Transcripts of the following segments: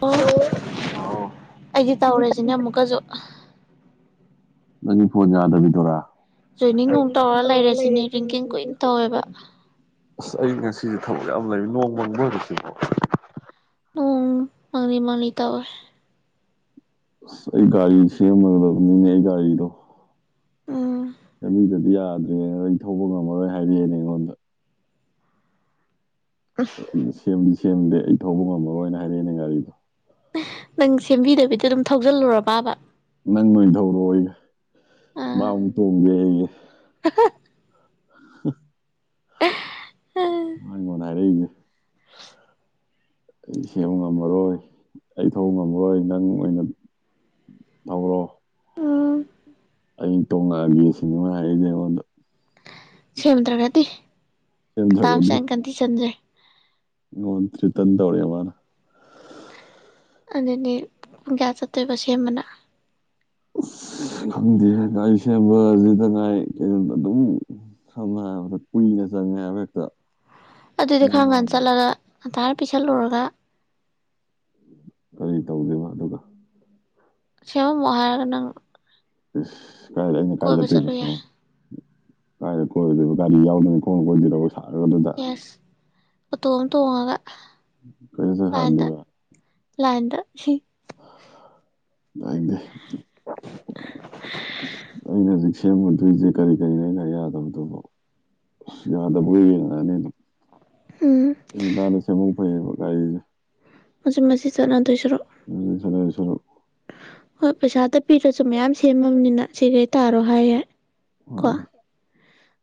ꯑꯣ ꯑꯥꯎ ꯑꯩꯗꯤ ꯇꯧꯔꯁꯤꯅꯦ ꯑꯃꯨꯛꯀꯁꯨ ꯅ ꯐꯣ ꯌꯥꯗꯕꯤꯗꯔꯥ ꯖꯣꯏꯅꯤꯡ ꯑꯃꯨꯛ ꯇꯧꯔ ꯂꯩꯔꯦꯁꯤꯅꯦ ꯔꯤꯡꯀꯤꯡ ꯀꯨꯏꯅ ꯇꯧꯋꯦꯕ ꯔ ꯁꯤꯁꯦ ꯊꯕꯛ ꯌꯥꯝ ꯂꯩ ꯅꯣꯡꯃꯪꯕ ꯑꯣꯏꯕꯕꯁꯤꯕꯣ ꯎꯝ ꯃꯥꯥꯡꯂꯤ ꯃꯥꯥꯡꯂꯤ ꯇꯋꯦ ꯑꯁ ꯑꯩ ꯒꯥꯔꯤ ꯁꯦꯝꯃꯒꯗꯕꯅꯤꯅꯦ ꯑꯩ ꯒꯥꯔꯤꯗꯣ ꯑꯣ ꯂꯝꯕꯤꯗꯗꯤ ꯌꯥꯗ꯭ꯔꯦꯅ ꯑꯩ ꯊꯧꯕ ꯉꯝꯃꯔꯣꯏ ꯍꯥꯏꯔꯛꯑꯦꯅ ꯑꯩꯉꯣꯟꯗ ꯁꯦꯝꯗꯤ ꯁꯦꯝꯗꯦ ꯑꯩ ꯊꯧꯕ ꯉꯝꯃꯔꯣꯏꯅ ꯍꯥꯏꯔꯛꯑꯦꯅꯦ ꯒꯥꯔꯤꯗꯣ ꯅꯪ ꯁꯦꯝꯕꯤꯗꯕꯤꯗ ꯑꯗꯨꯝ ꯊꯧꯖꯤꯜꯂꯨꯔ ꯄꯕ ꯅꯪ ꯅꯣꯏ ꯊꯧꯔꯛꯑꯣ ꯑꯩꯒ ꯑꯥ ꯃꯥꯕꯨꯨꯛ ꯇꯣꯡꯒꯦ ꯑꯩꯒꯤ [unintelligible] ꯎ ꯋꯥꯉꯉꯣꯅꯔꯅꯤ ꯑꯩ ꯁꯦꯝꯕ ꯉꯝꯃꯔꯣꯏ ꯑꯩ ꯊꯧꯕ ꯉꯝꯃꯔꯣꯏ ꯅꯪ ꯑꯣꯏꯅ ꯑ꯭ꯔꯣ ꯎꯝ ꯑ ꯇꯣꯉꯒꯤ ꯁꯤꯅꯦꯃꯥ ꯍꯥꯏꯏꯅꯦ ꯑꯩꯉꯣꯟꯗ ꯁꯦꯝꯗ꯭ꯔꯒꯗꯤꯇꯥꯁꯦꯀꯟꯇꯤ ꯆꯟꯖꯩ ꯑꯣ ꯆꯔꯤ ꯇ ꯇꯧꯔꯤ ꯃꯥꯅ ꯑꯗꯨꯗꯤ ꯥꯁ ꯑꯇꯩ ꯄ ꯁꯦꯝꯕꯅꯥ ꯑ ꯈꯪꯗꯦ ꯉꯥꯏ ꯁꯦꯝꯕ ꯁꯤꯗ ꯉꯥꯏ ꯀꯩꯅꯣꯗ ꯑꯗꯨꯝ ꯁꯝꯅ ꯄꯨ ꯆꯦꯛꯇ ꯑꯗꯨꯗꯤ ꯈꯪꯒꯥꯟꯗ ꯆꯠꯂꯒ ꯉꯟꯇꯥꯔ ꯄꯤꯁꯜꯂꯨꯔꯒ ꯀꯔꯤ ꯇꯧꯗꯣꯏꯅꯣ ꯑꯗꯨꯒ ꯁꯤꯃꯝ ꯃꯍꯔꯒꯅꯪ ꯀꯥꯏ ꯑꯩꯅ ꯀꯥꯏꯖꯣꯏ ꯌꯥꯏ ꯄꯁ ꯍꯥꯏ ꯍꯣꯏꯦꯗꯤ ꯌꯥꯎꯗ ꯅ ꯐꯣꯟ ꯑꯣꯏꯣꯏꯗꯔꯣ ꯌꯦꯁ ꯎꯇꯣꯝ ꯇꯣꯡꯉꯒ ꯀꯩꯁꯨ ꯍꯥꯟꯂꯤ ꯂꯥꯏꯟꯗ ꯋꯥ ꯂꯥꯏꯟꯗ ꯁꯤ ꯑꯩꯗ ꯑꯩꯖꯤ ꯁꯦꯝꯒꯗꯣꯏꯁꯦ ꯀꯔꯤ ꯀꯔꯤꯅꯦꯅ ꯌꯥꯗꯕꯗꯨꯕꯣ꯫ ꯌꯥꯗꯕꯉꯩ ꯌꯦꯡ ꯉꯛꯑꯅꯤ ꯑꯗꯨ꯫ ꯎꯝ ꯁꯦꯝꯃꯤꯀꯥꯟ ꯁꯦꯝꯍꯧꯕ ꯐꯩꯌꯦꯕ ꯒꯥꯔꯤꯁꯦ꯫ ꯃꯆꯤꯠ ꯃꯆꯤꯠ ꯆꯠꯅꯗꯣꯏꯁꯤꯔꯨꯛ꯫ ꯑꯗꯨ [unintelligible] ꯍꯣꯏ ꯄꯩꯁꯥ ꯑꯇꯩ ꯄꯤꯗꯔꯁꯨ ꯃꯌꯥꯝ ꯁꯦꯝꯃꯅꯤꯅ ꯁꯦꯜꯗꯤ ꯇꯥꯎ ꯍꯥꯏꯔ ꯌꯥꯏ꯫ ꯀꯣ꫰꫰ ꯃꯥꯅꯦ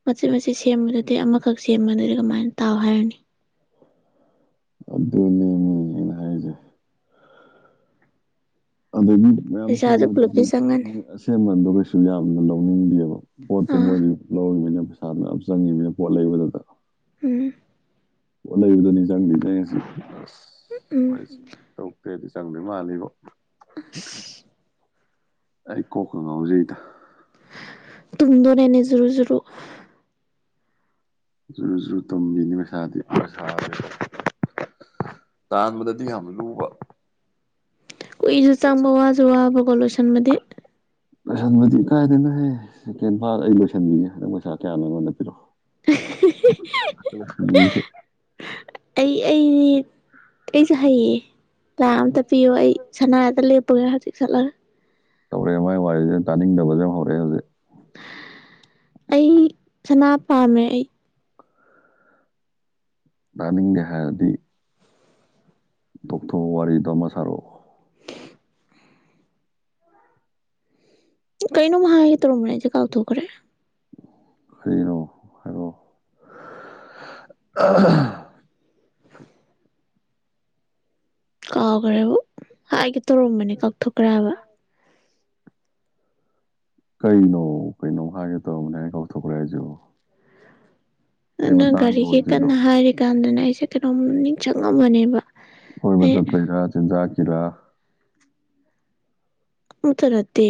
ꯃꯆꯦꯠ ꯃꯆꯦꯠ ꯁꯦꯝꯕꯗꯨꯗꯤ ꯑꯃꯈꯛ ꯁꯦꯝꯕꯗꯨꯗꯤ ꯀꯃꯥꯏꯅ ꯇꯥꯎ ꯍꯥꯏꯔꯅꯤ꯫ ꯑꯗꯨꯅꯦꯃꯤ ꯑꯩꯅ ꯍꯥꯏꯖꯦ꯫ ꯑꯗꯒꯤ ꯃꯌꯥꯝ ꯄꯩꯁꯥꯁꯨ ꯁꯦꯝꯕꯗꯨꯗꯤ ꯄꯨꯂꯞꯇꯤ ꯆꯪꯉꯅꯤ ꯃꯣꯏ ꯑꯁꯦꯝꯃꯟꯗꯣ ꯀꯩꯁꯨ ꯌꯥꯝꯅ ꯂꯧꯅꯤꯡꯗꯦꯕ꯫ ꯄꯣꯠꯇꯨ ꯑꯥ ꯃꯣꯏꯗꯤ ꯂꯧꯅꯤꯅ ꯄꯩꯁꯥꯗꯨ ꯌꯥꯝ ꯆꯪꯉꯤꯅꯤꯅ ꯄꯣꯠ ꯂꯩꯕꯗꯨꯗ꯫ [unintelligible] ꯄꯣꯠ ꯂꯩꯕꯗꯨꯅꯤ ꯆꯪꯉꯤꯁꯤ ꯎꯝ ꯑꯁ ꯇꯧ꯫ ꯇꯥꯔꯦꯠꯇꯤ ꯆꯪꯗꯣꯏ ꯃꯥꯜꯂꯤꯕꯣ꯫ ꯑꯁ꯫ ꯑꯩ ꯀꯣꯛꯀ ꯉꯥꯎꯖꯩꯗ꯫ ꯇꯨꯝꯗꯧꯔꯤꯅꯦ ꯖꯨꯔꯨ ꯖꯨꯔꯨ꯫ ꯖꯨꯔꯨ ꯖꯨꯔꯨ ꯇꯝꯕꯤꯅꯤ ꯃꯁꯥꯗꯤ꯫ [unintelligible] ꯇꯥꯟꯕꯗꯗꯤ ꯌꯥꯝ ꯂꯨꯕ꯫ ꯀꯨꯏꯁꯨ ꯆꯪꯕ ꯋꯥꯁꯨ ꯋꯥꯕꯀꯣ ꯂꯣꯏꯁꯤꯟꯕꯗꯤ꯫ ꯂꯣꯏꯁꯟꯕꯗꯤ ꯀꯥꯏꯗꯅꯣꯏꯍꯦ ꯁꯦꯀꯦꯟ ꯐꯥꯔꯗꯦ ꯑꯩ ꯂꯣꯏꯁꯤꯟꯕꯤꯒꯦ ꯅꯪ ꯄꯩꯁꯥ ꯀꯌꯥꯅꯣ ꯑꯩꯉꯣꯟꯗ ꯄꯤꯔꯛꯑꯣ꯫꯫ [unintelligible] ꯑꯩ ꯑꯩꯅꯤ꯫ ꯑꯩꯁꯨ ꯍꯩꯌꯦ ꯂꯥꯛ ꯑꯃꯇ ꯄꯤꯌꯣ ꯑꯩ ꯁꯅꯥꯑꯃꯇ ꯂꯦꯞꯄꯨꯒꯦ ꯍꯧꯖꯤꯛ ꯆꯠꯂꯒ꯫ ꯇꯧꯔꯛꯑꯦ ꯃꯥꯏ ꯋꯥꯔꯤꯁꯦ ꯇꯥꯅꯤꯡꯗꯕꯁꯦ ꯍꯧꯔꯛꯑꯦ ꯍꯧꯖꯤꯛ꯫ ꯑꯩ ꯁꯅꯥ ꯄꯥꯝꯃꯦ ꯑꯩ꯫ ꯅꯥꯅꯤꯡꯒ ꯍꯥꯏꯔꯗꯤ꯫ ꯊꯣꯛꯊꯣꯛꯑꯣ ꯋꯥꯔꯤꯗꯣ ꯑꯃ ꯁꯥꯔꯛꯑꯣ꯫ ꯀꯔꯤꯅꯣꯝꯃ ꯍꯥꯏꯒꯦ ꯇꯧꯔꯝꯕꯅꯤ ꯑꯩꯁꯦ ꯀꯥꯎ ꯊꯣꯛꯈꯔꯦ꯫ ꯀꯩꯅꯣ ꯍꯥꯏꯔꯣ꯫ ꯀꯥꯎꯒꯔꯦꯕ ꯍꯥꯏꯒꯦ ꯇꯧꯔꯝꯕꯅꯦ ꯀꯥꯎꯊꯣꯛꯈ꯭ꯔꯦ ꯍꯥꯏꯕ꯫ ꯀꯩꯅꯣ ꯀꯩꯩꯅꯣ ꯍꯥꯏꯒꯦ ꯇꯧꯔꯝꯕꯅꯦ ꯍꯔꯥ ꯀꯥꯎꯊꯣꯛꯈ꯭ꯔꯦ ꯍꯥꯏꯔꯤꯁꯤꯕꯣ꯫ ꯑꯗꯨ ꯅꯪ ꯒꯥꯔꯤꯒꯤ ꯀꯟꯅ ꯍꯥꯏꯔꯤꯀꯥꯟꯗꯅꯦ ꯑꯩꯁꯦ ꯀꯩꯅꯣꯝ ꯅꯤꯡꯁꯤꯡꯉꯝꯕꯅꯦꯕ꯫ ꯀꯣꯏꯕ ꯑꯩ ꯆꯠꯄꯒꯤꯔ ꯆꯤꯟꯖꯥꯛꯀꯤꯔ꯫ ꯑꯃꯇ ꯅꯥꯠꯇꯦ꯫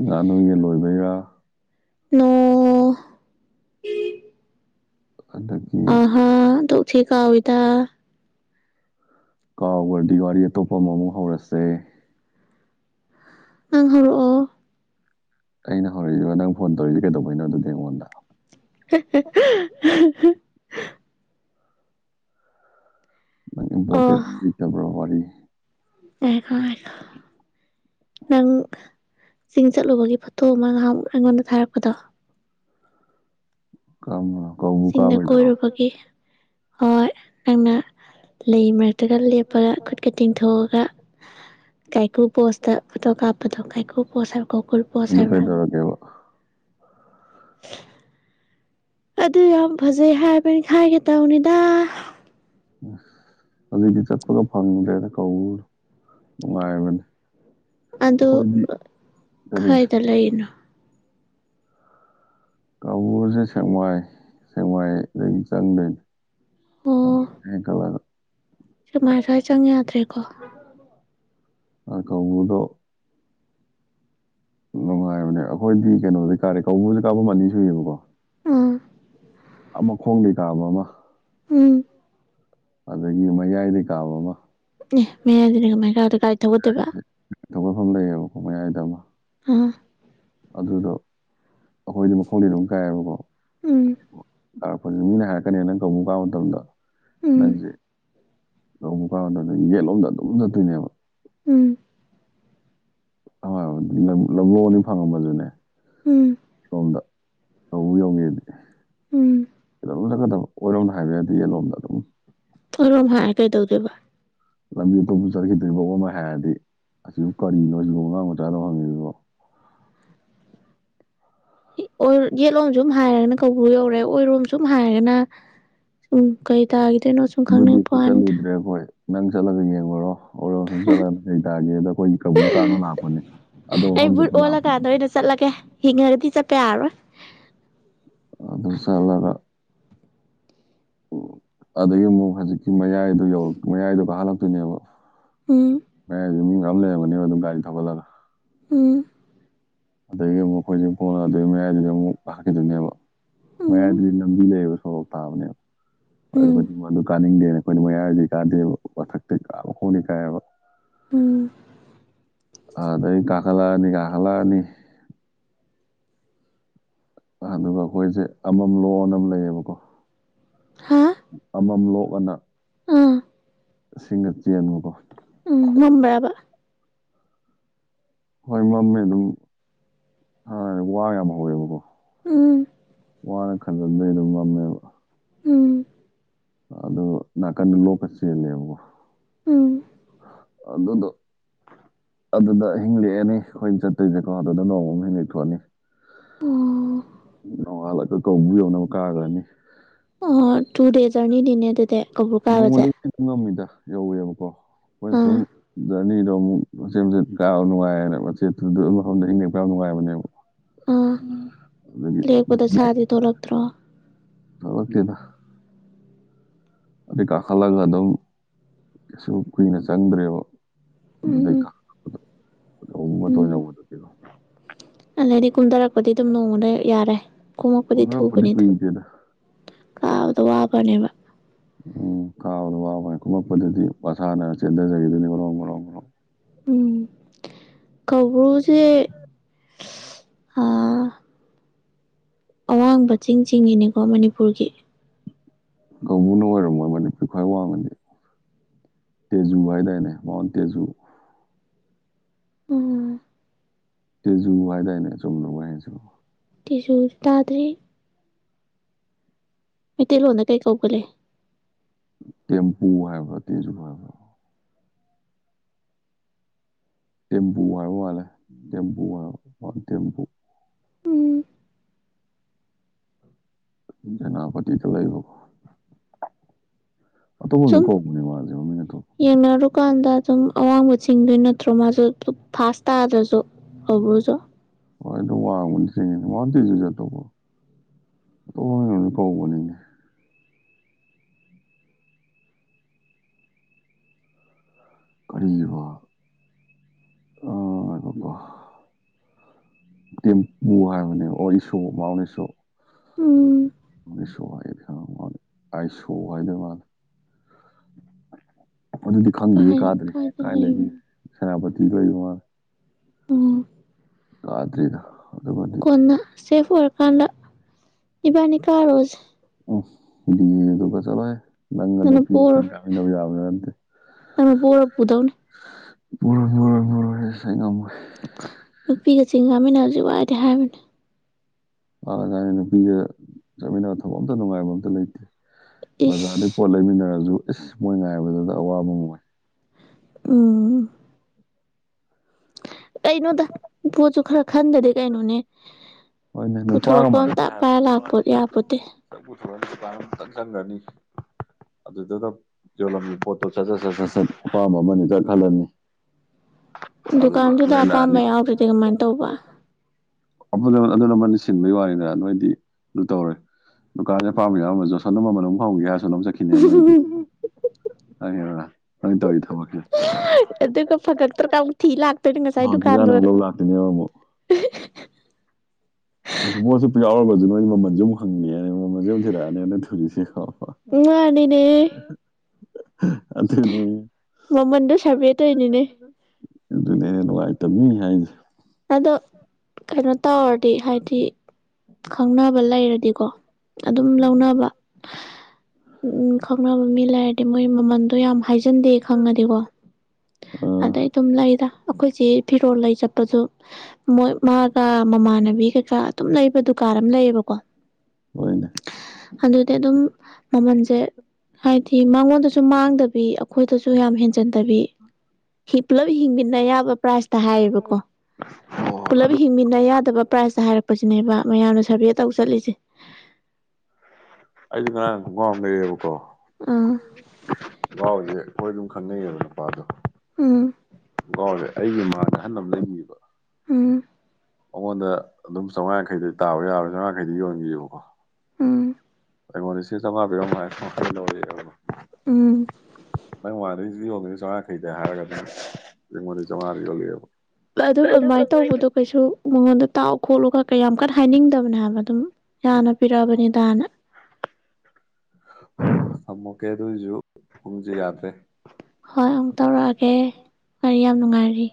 ꯉꯅꯨ ꯌꯦꯟ ꯂꯣꯏꯕꯩꯔ꯫ ꯅꯣ ꯑꯗꯒꯤ ꯑꯍꯥ ꯑꯣꯟꯊꯣꯛ ꯊꯤ ꯀꯥꯎꯏꯗ꯫ ꯀꯥꯎꯒꯔ ꯗꯤ ꯋꯥꯔꯤ ꯑꯇꯣꯞꯄ ꯑꯃꯃꯨꯛ ꯍꯧꯔꯁꯦ꯫ ꯑꯪ ꯍꯧꯔꯛꯑꯣ꯫ ꯑꯩꯅ ꯍꯧꯔꯛꯏꯔꯣ ꯅꯪ ꯐꯣꯟ ꯇꯧꯔꯛꯏꯁꯦ ꯀꯩꯗꯧꯕꯤꯅꯣ ꯑꯗꯨꯗꯤ ꯑꯩꯉꯣꯟꯗ꯫ [unintelligible] ꯅꯪ ꯑꯣ ꯏꯝꯄꯣꯔꯇꯦꯟ ꯂꯩꯇꯔꯕ ꯋꯥꯔꯤ꯫ ꯉꯥꯏꯈꯣ ꯉꯥꯏꯈꯣ꯫ ꯅꯪ ꯆꯤꯡ ꯆꯠꯂꯨꯕꯒꯤ ꯐꯣꯇꯣ ꯑꯃ ꯉꯥꯍꯥꯃꯨꯛ ꯑꯩꯉꯣꯟꯗ ꯊꯥꯔꯛꯄꯗꯣ꯫ ꯀꯔꯝꯕꯅꯣ꯫ ꯀꯧꯕꯨ ꯆꯤꯡꯗ ꯀꯥꯕꯩꯗꯨꯔꯣ ꯀꯣꯏꯔꯨꯕꯒꯤ ꯍꯣꯏ ꯅꯪꯅ ꯂꯩ ꯃꯔꯛꯇꯒ ꯂꯦꯞꯄꯒ ꯈꯨꯠꯀ ꯇꯤꯡꯊꯣꯛꯑꯒ꯫ ꯀꯥꯏꯀꯨ ꯄꯣꯁꯇ ꯐꯣꯇꯣ ꯀꯥꯞꯄꯗꯣ ꯀꯥꯏꯀꯨ ꯄꯣꯁ ꯍꯥꯏꯕ꯭ꯔꯥ ꯀꯣꯀꯨꯜ ꯄꯣꯁ ꯑꯗꯨ ꯍꯥꯏꯕ꯭ꯔꯥ꯫ ꯀꯩꯗꯧꯔꯒꯦꯕ [inaudible] [unintelligible] ꯑꯗꯨ ꯌꯥꯝ ꯐꯖꯩ ꯍꯥꯏꯕꯅꯤ ꯈꯥꯏꯒꯦ ꯇꯧꯅꯤꯗ ꯑꯗꯨꯗꯤ ꯆꯠꯄꯒ ꯐꯪꯗ꯭ꯔꯦꯅ ꯀ ꯅꯨꯡꯉꯥꯏꯕꯅꯤ ꯑꯗꯨ ꯑꯩꯈꯣꯏꯗꯤ ꯀꯔꯤ ꯀꯥꯏꯗ ꯂꯩꯔꯤꯅꯣ ꯀꯥꯡꯕꯨꯁꯦ ꯁꯦꯡꯃꯥꯏ ꯁꯦꯡꯃꯥꯏꯗ ꯆꯪꯗꯣꯏꯅꯤ ꯍꯀꯋꯥꯒ ꯁꯨꯃꯥꯏꯅ ꯁ꯭ꯋꯥꯏ ꯆꯪ ꯌꯥꯗ꯭ꯔꯦꯀꯣ ꯑ ꯀꯉꯗꯣ ꯅꯨꯡꯉꯥꯏꯕꯅꯦ ꯑꯩꯈꯣꯏꯗꯤ ꯀꯩꯅꯣꯗꯤꯩ ꯀꯥꯔꯦ ꯀꯧꯕꯨꯁꯦ ꯀꯥꯐꯝ ꯑꯅꯤ ꯁꯨꯏꯕꯀꯣ ꯎꯝ ꯑꯃ ꯃꯈꯣꯡ ꯂꯩꯀꯥ ꯑꯃ ꯑꯃ ꯎꯝ ꯑꯗꯒꯤ ꯃꯌꯥꯏꯗꯩ ꯀꯥꯕ ꯑꯃ ꯑꯦ ꯃꯌꯥꯗꯅꯦ ꯀꯃꯥꯏꯅ ꯀꯥꯏꯗ ꯒꯥꯔꯤ ꯊꯧꯒꯗꯣꯏꯕ ꯏꯊꯣꯛꯄꯐꯝ ꯂꯩꯌꯦꯕꯀꯣ ꯃꯌꯥꯏꯗ ꯑꯃ ꯑꯥ ꯑꯗꯨꯗꯣ ꯑꯩꯈꯣꯏꯗꯤ ꯃꯈꯣꯡꯗꯤ ꯑꯗꯨꯝ ꯀꯥꯏꯌꯦꯕꯀꯣ ꯎꯝ ꯂꯥꯔꯛꯄꯁꯤ ꯃꯤꯅ ꯍꯥꯏꯔꯛꯀꯅꯤ ꯅꯪ ꯀꯃꯨꯛ ꯀꯥꯕ ꯃꯇꯝꯗ ꯎꯝ ꯅꯪꯁꯦ ꯅꯣꯡ ꯀꯗ [inaudible] ꯌꯦꯠꯂꯣꯝꯗ ꯑꯗꯨꯝ ꯆꯠꯇꯣꯏꯅꯦꯕ ꯎꯝ ꯍꯣꯏ ꯍꯣꯏ [inaudible] ꯂꯝ ꯂꯣꯡꯗꯤ ꯐꯪꯉꯝꯕꯁꯨꯅꯦ ꯎꯝ ꯇ ꯌꯥꯎꯉꯦꯗꯤ ꯎꯝ [inaudible] ꯆꯛꯀꯗꯕ ꯑꯣꯏꯔꯣꯝ ꯍꯥꯏꯕ ꯌꯥꯗꯦ ꯌꯦꯂꯣꯝꯗ ꯑꯗꯨꯝ ꯍꯔꯣꯝ [inaudible] ꯍꯥꯏꯔꯦ ꯀꯩꯗꯧꯗꯦꯕ ꯂꯝꯕꯤꯄ [inaudible] ꯆꯠꯈꯤꯗꯣꯏꯔꯤ ꯐꯥꯎꯕ ꯑꯃ ꯍꯥꯏꯔꯗꯤ ꯑꯁꯤꯕꯨ ꯀꯔꯤꯅꯣꯁꯤ ꯑꯉꯥꯡ ꯃꯆꯥꯗꯣ ꯍꯪꯉꯤ [inaudible] [inaudible] ꯌꯦꯠꯂꯣꯝ ꯁꯨꯝ ꯍꯥꯏꯔꯒꯅ ꯀꯧꯕ꯭ꯔꯨ ꯌꯧꯔꯦ ꯑꯣꯏꯔꯣꯝ ꯁꯨꯝ ꯍꯥꯏꯔꯒꯅ ꯁꯨꯝ ꯀꯩ ꯇꯥꯈꯤꯗꯣꯏꯅꯣ ꯁꯨꯝ ꯑꯗꯨꯗꯤ ꯑꯩꯈꯣꯏ ꯈꯪꯅꯤꯡꯉꯛꯄꯋ ꯗ ꯆꯠꯂꯨꯗ꯭ꯔꯦ ꯑꯩꯈꯣꯏ ꯅꯪ ꯆꯠꯂꯒ ꯌꯦꯡꯉꯨꯔꯣ ꯑꯣꯔꯣ ꯁꯨꯝ ꯆꯠꯂꯒ ꯅ ꯀꯩ ꯇꯥꯔꯒꯦ ꯑꯩꯈꯣꯏꯒꯤ ꯀꯕꯨꯨ ꯀꯕ ꯂꯥꯛꯄꯅꯦ ꯑꯗꯣ ꯑꯩ ꯃꯐꯝ ꯕꯨꯠ ꯆꯠꯄ ꯂꯥꯛꯄꯅꯦ ꯑꯣꯜꯂꯀꯥꯟꯗ ꯑꯩꯅ ꯆꯠꯂꯒꯦ ꯍꯤꯡꯉꯒꯗꯤ ꯆꯠꯄ ꯌꯥꯔꯣꯏ ꯑꯗꯨꯁꯂꯗ [inaudible] ꯎ ꯑꯗꯨꯗꯒꯤ ꯑꯃꯨꯛ ꯍꯧꯖꯤꯛꯀꯤ ꯃꯌꯥꯏꯗꯣ ꯌꯧꯔ ꯃꯌꯥꯏꯗꯣ ꯀꯥ ꯍꯜꯂꯛꯇꯣꯏꯅꯦꯕ ꯎꯝ ꯃꯁ ꯃꯤ ꯃꯌꯥꯝ ꯂꯩꯔꯝꯒꯅꯦꯕ ꯑꯗꯨꯝ ꯒꯥꯔꯤ ꯊꯧꯒꯠꯂꯒ ꯎꯃ ꯑꯗꯨꯗꯒꯤ ꯑꯃꯨꯛ ꯑꯩꯈꯣꯏꯁ ꯄꯣꯟꯅ ꯑꯗꯨꯒꯤ ꯃꯌꯥꯏꯗꯨꯗꯒꯤ ꯑꯃꯨꯛ ꯂꯛꯈꯤꯗꯣꯏꯅꯦꯕ ꯎꯝ ꯃꯌꯥꯏꯗꯨꯗꯤ ꯂꯝꯕꯤ ꯂꯩꯕ ꯁꯣꯔꯣꯛ ꯎꯝ ꯇꯥꯕꯅꯦꯕꯗꯤ ꯃꯗꯨ ꯀꯥꯅꯤꯡꯗꯦꯅ ꯑꯩꯈꯣꯏꯅ ꯃꯌꯥꯏꯗꯤ ꯀꯥꯗꯦꯕ ꯃꯊꯛꯇ ꯍꯣꯡꯅꯤ ꯀꯥꯏꯕ ꯎꯝ ꯑꯗ ꯀꯥꯀꯥꯂꯥꯅꯤ ꯀꯥꯈꯂꯥꯅꯤ ꯑꯗꯨꯒ ꯑꯩꯈꯣꯏꯁꯦ ꯑꯃꯝ ꯂꯣꯅ ꯑꯃ ꯂꯩꯌꯦꯕꯀꯣ ꯍꯥ ꯑꯃꯝ ꯂꯣꯛꯑꯅ ꯑꯥ ꯁꯤꯁꯤꯡꯒꯁꯤ ꯑꯃꯕ ꯎꯝ ꯃꯝꯕꯕꯥꯥ ꯍꯣꯏ ꯃꯝꯃꯦ ꯑꯗꯨꯝ ꯋꯥ ꯌꯥꯝ ꯍꯧꯋꯦꯕꯀꯣ ꯑꯝ ꯋꯥꯅ ꯈꯗ [inaudible] ꯑꯗꯨ ꯃꯃꯦꯕ ꯎꯝ ꯑꯗꯨꯗ ꯅꯀꯟ ꯂꯣꯛꯀ ꯆꯦꯂꯦꯕ ꯎꯝ ꯑꯗꯣꯗꯣ ꯑꯗꯨꯗ ꯍꯤꯡꯡꯂꯛꯑꯅꯤ ꯑꯩꯈꯣꯏꯅ ꯆꯠꯇꯣꯏꯁꯦꯀꯣ ꯑꯗꯨꯗ ꯅꯣꯡꯃ ꯑꯃ ꯍꯤꯡꯡꯂꯛꯊꯣꯛꯑꯅꯤ ꯑꯣ ꯅꯣꯡꯉꯥꯜꯂꯒ ꯀꯧꯕꯨ ꯌꯧꯅꯕ ꯀꯥꯈ꯭ꯔꯅꯤ ꯑꯣ ꯇꯨ ꯗꯦꯖꯔꯅꯤ ꯇꯅꯦ ꯇ ꯅꯣꯡꯃꯗ ꯈꯤꯇ ꯉꯝꯃꯤꯗ ꯌꯧꯋꯦꯕꯀꯣ ꯑꯩꯈꯣꯏꯅ ꯁꯨꯝ ꯑꯥ ꯑꯅꯤꯗꯣ ꯑꯃꯨꯛ ꯃꯆꯦꯆꯦꯠ ꯀꯥ ꯅꯨꯡꯉꯥꯏꯔꯅꯦꯕ ꯃꯆꯦꯠꯇꯨꯗ ꯃꯐꯝꯗ ꯏꯪꯉꯦꯛꯄ ꯌꯥꯝ ꯅꯨꯡꯉꯥꯏꯕꯅꯦꯕ ꯎꯝ ꯑꯥ ꯂꯦꯛꯄꯗ ꯁꯥꯗꯤ ꯊꯣꯛꯂꯛꯇ꯭ꯔꯣ ꯊꯣꯀ ꯂꯛꯇꯗ ꯑꯗꯨꯄꯤ ꯀꯥ ꯈꯂꯒ ꯑꯗꯨꯣꯡ ꯀꯩꯁꯨ ꯀꯨꯏꯅ ꯆꯪꯗ꯭ꯔꯦꯕ ꯑꯗꯨꯗꯩ ꯎꯝ ꯀꯥꯛꯄꯗꯣ ꯑꯨꯨꯝ ꯃꯇ ꯎꯝ ꯌꯧꯕꯗ ꯀꯩꯅꯣ ꯑꯗꯩꯗꯤ ꯀꯨꯝꯊꯔꯛꯄꯗꯤ ꯑꯗꯨꯝ ꯅꯣꯡꯃꯗ ꯌꯥꯔꯦ ꯀꯨꯝꯃꯛꯄꯗꯤ ꯑꯣ ꯊꯨꯕꯅꯤꯗ ꯄꯨꯠꯇꯦꯗ ꯀꯥꯕꯗ ꯋꯥꯕꯅꯦꯕ ꯎꯝ ꯀꯥꯎꯗ ꯋꯥꯈꯣꯏ ꯀꯨꯝꯃꯛꯄꯗꯗꯤ ꯃꯁꯥꯅꯅ ꯆꯦꯟꯊꯖꯈꯤꯗꯨꯅꯤ ꯃꯔꯔꯣꯡ ꯃꯔꯣꯔꯣꯡ ꯃꯔ꯭ꯔꯣ ꯎꯝ ꯀꯕ꯭ꯔꯨꯁꯦ ꯑ ꯑꯋꯥꯡꯕ ꯆꯤꯡ ꯆꯤꯡꯉꯅꯤꯀꯣ ꯃꯅꯤꯄꯨꯔꯒꯤ ꯀꯥꯡꯨꯅ ꯑꯣꯏꯔꯝꯃꯣꯏ ꯃꯅꯤꯨꯔ ꯈ꯭ꯋꯥꯏ ꯋꯥꯡꯃꯗꯤ ꯇꯦꯖꯨꯚꯏꯗꯏꯅꯦ ꯃꯟ ꯇꯦꯖꯨ ꯎꯝ ꯇꯁꯨ ꯋꯥꯏꯗꯅꯦ ꯆꯨꯝꯅꯉꯁꯨ ꯇꯤꯁꯨ ꯇꯥꯗ꯭ꯔꯤ ꯃꯩꯇꯩꯂꯣꯟꯗ ꯀꯩ ꯀꯧꯕꯧꯒ ꯂꯩꯦ ꯇꯦꯝꯄꯨ ꯍꯥꯏꯕ꯭ꯔ ꯇꯤꯖꯨ ꯍꯥꯏꯕ ꯇꯦꯝꯄꯨ ꯍꯥꯏꯕ ꯃꯥꯂꯦ ꯇꯦꯝꯄꯨ ꯍꯥꯏ ꯇꯦꯝꯄꯨ ꯎꯝ ꯅꯥꯄꯇꯤ ꯆꯂꯕ ꯑꯇꯣꯞꯄ ꯁꯨꯝ ꯑꯃꯗ ꯐꯥꯎꯛꯄꯅꯦ ꯃꯥꯁꯦ ꯃꯃꯤꯡ ꯑꯇꯣꯞꯄ ꯁꯨꯝ ꯑꯋꯥꯡꯕ ꯆꯤꯡꯗꯣꯏ ꯅꯠꯇ꯭ꯔꯣ ꯃꯥꯁꯨ ꯐꯥꯁ ꯇꯥꯗ꯭ꯔꯁꯨ ꯍ꯭ꯔꯨꯁꯨ ꯍꯣꯏꯗ ꯋꯥꯡꯕꯅꯤ ꯋꯥꯇꯁꯨꯖꯠꯇꯕꯨꯣ ꯍꯅꯤ ꯄꯥꯎꯕꯅꯤ ꯏꯅꯦ ꯀꯔꯤꯕ ꯑꯀꯣ ꯇꯦꯝꯄꯨ ꯍꯥꯏꯕꯅꯦ ꯑꯣ ꯏꯁꯣꯔ ꯃꯥꯎꯟ ꯏꯁꯣꯔ ꯎꯝ ꯁ ꯍꯗ ꯑ ꯁꯍꯥꯏꯗ ꯃꯥ ꯎꯝ [inaudible] ꯑꯗꯨꯗꯤ ꯈꯪꯗꯦ ꯀꯥꯗ꯭ꯔꯔꯤ ꯀꯥꯏꯅꯗꯒꯤ ꯁꯦꯅꯥꯄꯇꯤ ꯀꯩꯃ ꯑꯣ ꯉꯗꯦꯗ ꯀꯣꯟꯅ ꯁꯦꯐ ꯑꯣꯏꯔꯀꯥꯟꯗ ꯏꯕꯥꯅꯤ ꯀꯥꯔꯣꯁꯦ ꯑꯣꯗꯤ ꯇ ꯀ ꯆꯂꯣꯑꯦ ꯅꯪꯒ ꯅꯪꯅ ꯅꯨꯄꯤ ꯑꯁꯤ ꯄꯣꯔꯣ ꯌꯥꯥꯡꯃꯤꯟꯅꯕ ꯌꯥꯕ ꯅꯗꯦ ꯅꯪꯅ ꯄꯣꯔ ꯄꯨꯗꯧꯅꯤ ꯃ ꯃ ꯃꯨꯔꯁ ꯉ ꯅꯨꯄꯤꯒ ꯆꯤꯡꯒꯥꯃꯤꯟꯅ ꯍꯧꯖꯤꯛ ꯋꯥꯏꯗꯤꯦ ꯍꯥꯏꯕꯅꯦ ꯑꯥꯏꯅ ꯅꯨꯄꯤꯒ ꯆꯠꯃꯤꯟꯅꯕ ꯊꯕꯛ ꯑꯝꯇ ꯅꯨꯡꯉꯥꯏꯕ ꯑꯝꯇ ꯂꯩꯇꯦ ꯕꯖꯥꯔꯗꯒꯤꯩ ꯏꯁ ꯄꯣꯠ ꯂꯩꯃꯤꯟꯅꯔꯁꯨ ꯏꯁ ꯃꯣꯏ ꯉꯥꯏꯕꯗꯨꯗ ꯑꯋꯥꯕ ꯉꯣꯏ ꯑ ꯀꯩꯅꯣꯗ ꯄꯣꯠꯁꯨ ꯈꯔ ꯈꯟꯗꯗꯤꯦ ꯀꯩꯅꯣꯅꯦ ꯍꯣꯏꯅꯦ ꯅꯨꯄꯥꯒ ꯄꯨꯊꯣꯔꯛꯄ ꯃꯥꯟꯅꯗꯦ ꯑꯝꯇ ꯄꯥꯏꯔ ꯂꯥꯛꯄ ꯌꯥꯕꯣꯗꯤ ꯨꯔ ꯗꯨꯀꯥꯟꯝꯇ ꯆꯪꯒꯅꯤ ꯑꯗꯨꯗꯨꯗ ꯌꯣꯜꯂꯝꯕ ꯄꯣꯠꯇꯣ ꯁꯠ ꯁꯠ ꯁꯠ ꯁꯠ ꯁꯠ ꯑꯄꯥꯝꯕ ꯑꯃꯅꯤꯗ ꯈꯜꯂꯅꯤ ꯑꯗꯨꯒ ꯗꯨꯀꯥꯟꯗꯨꯗ ꯅꯣꯏ ꯑꯄꯥꯝꯕ ꯅꯍꯥꯟꯅꯤ ꯌꯥꯎꯗ꯭ꯔꯗꯤ ꯀꯃꯥꯏꯅ ꯇꯧꯕ ꯑꯗꯨ ꯂꯃꯟ ꯁꯤꯟꯕꯩ ꯋꯥꯔꯤꯅꯤꯗ ꯅꯣꯏꯗꯤ ꯑꯗꯨ ꯇꯧꯔꯦ ꯗꯨꯀꯥꯟꯁꯦ ꯄꯥꯝ ꯌꯥꯔ ꯑꯃ ꯖꯣꯁꯣꯟ ꯑꯃ ꯃꯅꯨꯡ ꯐꯪꯒꯦ ꯍꯥꯏꯔ ꯂꯧ ꯆꯠꯈꯤꯅꯦꯕ ꯅꯣꯏꯗꯤ ꯍꯪꯉꯦ ꯅꯪ ꯇꯧꯔꯤ ꯊꯕꯛꯀꯤ ꯐꯒꯛꯇꯔ ꯀ ꯀꯥꯡ ꯊ ꯍꯥꯟ ꯆꯖꯥꯟꯅ ꯑꯃꯨꯛ ꯂꯧ ꯂꯥꯛꯇꯣꯏꯅꯦꯕ ꯑꯃꯨꯛ ꯃ ꯄꯣꯠꯁꯨ ꯄꯛ ꯌꯥꯎꯔꯔꯕꯁꯨ ꯅꯣꯏꯗꯤ ꯃꯃꯜꯁꯨ ꯑꯃꯨꯛꯪꯉꯅꯦ ꯃꯃꯁꯦꯨꯛ ꯊꯤꯔꯛꯑꯅꯤꯅ ꯊꯨꯔꯤꯁꯤꯀꯣ ꯑꯣ ꯃꯃꯟꯗ ꯁꯕꯦ ꯇ ꯏꯅꯤꯅꯦ ꯑꯗꯨꯅ ꯍꯦꯟꯅ ꯅꯨꯡꯉꯥꯏꯇꯕꯅꯤ ꯍꯥꯏꯁꯦ ꯑꯗꯣ ꯀꯩꯅꯣ ꯇꯧꯔꯗꯤ ꯍꯥꯏꯗꯤ ꯈꯪꯅ ꯣ ꯑꯗꯨ ꯂꯧ ꯎꯝ ꯎ ꯈꯪ ꯃꯤ ꯂꯩꯔꯗꯤ ꯃꯣꯏ ꯃꯃꯟꯗꯣ ꯌꯥꯝ ꯍꯥꯏꯖꯤꯟꯗꯦ ꯈꯪꯉꯗꯤꯀꯣ ꯑꯥ ꯑꯗꯩ ꯑꯗꯨꯝ ꯂꯩꯗ ꯑꯩꯈꯣꯏꯁꯦ ꯐꯤꯔꯣꯜ ꯂꯩ ꯆꯠꯄꯗꯨ ꯃꯣꯏ ꯃꯥꯒ ꯃꯃꯥꯟꯅꯕꯤ ꯀꯩꯀ ꯑꯗꯨꯝ ꯂꯩꯕꯗꯨ ꯀꯥꯔ ꯑꯃ ꯂꯩꯌꯦꯕꯀꯣ ꯍꯣꯏꯅꯦ ꯑꯗꯨꯗꯤ ꯑꯗꯨꯝ ꯃꯃꯜꯁꯦ ꯍꯥꯏꯊꯤ ꯃꯉꯣꯟꯗꯁꯨ ꯃꯥꯡꯗꯕ ꯑꯩꯈꯣꯏꯗꯁꯨ ꯌꯥꯝ ꯍꯦꯟꯖꯤꯟꯗꯕꯤ ꯄꯨꯂꯞ ꯍꯤꯡꯃꯤꯟꯅ ꯌꯥꯕ ꯄ꯭ꯔꯥꯏꯖꯇ ꯍꯥꯏꯌꯦꯕꯀꯣ ꯑꯣ ꯄꯨꯂꯞ ꯑꯗꯨ ꯍꯤꯡꯃꯤꯟꯅ ꯌꯥꯗꯕ ꯄ꯭ꯔꯥꯏꯖ ꯍꯥꯏꯔꯛꯄꯁꯤꯅꯦꯕ ꯃꯌꯥꯝꯅ ꯁꯔꯚꯦ ꯇꯧ ꯆꯠꯂꯤꯁꯦ ꯑꯩꯁꯨ ꯉꯔꯥꯡ ꯈꯣꯡꯒꯥꯎꯝ ꯂꯩꯑꯦꯕꯀꯣ ꯑꯥ ꯉꯥꯎꯁꯦ ꯑꯩꯈꯣꯏ ꯑꯗꯨꯝ ꯈꯪꯅꯩꯌꯦꯕ ꯅꯨꯄꯥꯗꯣ ꯎꯝ ꯀꯥꯎꯁꯦ ꯑꯩꯒꯤ ꯏꯃꯥꯗ ꯑꯍꯟꯅ ꯑꯃ ꯂꯩꯕꯤꯕ ꯎꯝ ꯃꯉꯣꯟꯗ ꯑꯗꯨꯝ ꯆꯥꯝꯃꯉꯥ ꯌꯥꯈꯩꯗꯤ ꯇꯥꯕ ꯌꯥꯔꯣꯏ ꯆꯥꯝꯃꯉꯡꯈꯩꯗꯤ ꯌꯣꯟꯈꯤꯕꯀꯣ ꯎꯝ ꯑꯩꯉꯣꯟꯗ ꯁꯤ ꯆꯝꯥꯕꯤꯔꯣ ꯃꯥ ꯎꯝ ꯅꯪ ꯃꯗꯣꯏꯔꯤꯁꯤ ꯌꯣꯜꯂꯤꯣꯏꯅꯤ ꯆꯥꯃꯥꯈꯩꯗ ꯍꯥꯏꯔꯒ ꯑꯗꯨꯝ ꯑꯩꯉꯣꯟꯗ ꯆꯥꯝꯃꯉꯥꯗ ꯌꯣꯜꯂꯛꯑꯦꯕ ꯑꯗꯨꯝ ꯑꯗꯨꯃꯥꯏꯅ ꯇꯧꯕꯗꯣ ꯀꯩꯁꯨ ꯃꯉꯣꯟꯗ ꯇꯥꯎ ꯈꯣꯠꯂꯨꯒ ꯀꯩ ꯌꯥꯝ ꯀꯟꯅ ꯍꯥꯏꯅꯤꯡꯗꯕꯅꯦ ꯍꯥꯏꯕ ꯑꯗꯨꯝ ꯎꯝ ꯌꯥꯅ ꯄꯤꯔꯛꯑꯕꯅꯤꯗꯥꯅ ꯑꯃꯃꯨꯀꯦ ꯑꯗꯨꯁꯨ ꯍꯨꯝꯖꯤ ꯌꯥꯗꯦ ꯍꯣꯏ ꯑꯃꯨꯛ ꯇꯧꯔꯛꯑꯒꯦ ꯀꯔꯤ ꯌꯥꯝ ꯅꯨꯡꯉꯥꯏꯔꯤ